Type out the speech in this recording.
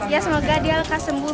ya semoga dia lekas sembuh